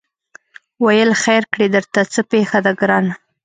ویل خیر کړې درته څه پېښه ده ګرانه